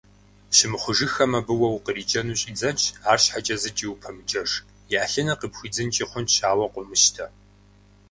Щымыхъужыххэм абы уэ укъриджэу щӀидзэнщ, арщхьэкӀэ зыкӀи упэмыджэж, и Ӏэлъыныр къыпхуидзынкӀи хъунщ, ауэ къомыщтэ.